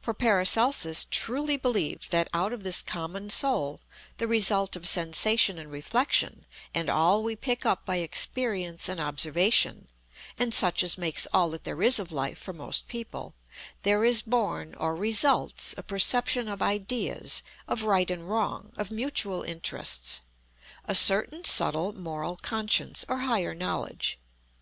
For PARACELSUS truly believed that out of this common Soul, the result of Sensation and Reflection, and all we pick up by Experience and Observation (and such as makes all that there is of Life for most people), there is born, or results, a perception of Ideas, of right and wrong, of mutual interests; a certain subtle, moral conscience or higher knowledge.